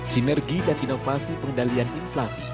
sinergi dan inovasi pengendalian inflasi